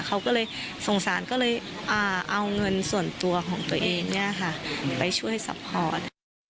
เขาก็เลยสงสารก็เลยเอาเงินส่วนตัวของตัวเองไปช่วยซัพพอร์ต